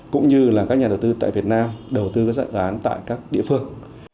cũng như là các nhà đầu tư tại việt nam đầu tư các dự án tại các địa phương